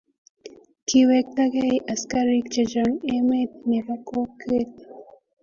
kiwektagei askarik chechang' emet nebo kokwet.